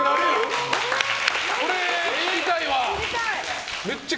これ、聞きたいわ！